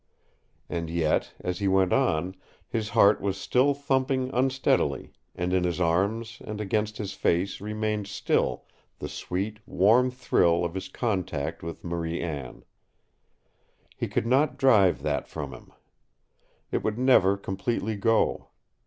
And yet, as he went on, his heart was still thumping unsteadily, and in his arms and against his face remained still the sweet, warm thrill of his contact with Marie Anne. He could not drive that from him. It would never completely go.